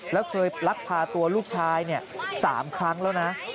แล้วเคยลักพาตัวลูกชาย๓ครั้งแล้วนะ